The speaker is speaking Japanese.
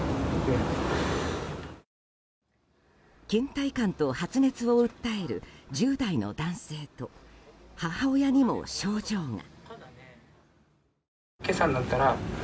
倦怠感と発熱を訴える１０代の男性と母親にも症状が。